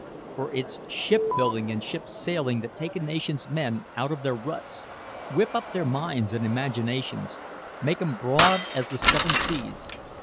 For it's ship building and ship sailing that take a nation's men out of their ruts, whip up their minds and imaginations, make 'em broad as the seven seas.